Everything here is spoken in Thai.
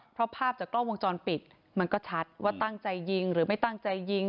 เพราะภาพจากกล้องวงจรปิดมันก็ชัดว่าตั้งใจยิงหรือไม่ตั้งใจยิง